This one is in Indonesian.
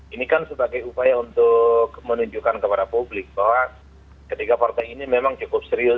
ini kan sebagai upaya untuk menunjukkan kepada publik bahwa ketiga partai ini memang cukup serius